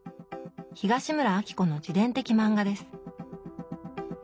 東村アキコの自伝的漫画です。